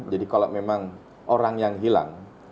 jadi kalau memang orang yang hilang